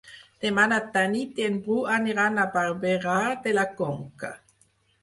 Demà na Tanit i en Bru aniran a Barberà de la Conca.